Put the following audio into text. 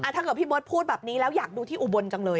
ถ้าเกิดพี่เบิร์ตพูดแบบนี้แล้วอยากดูที่อุบลจังเลย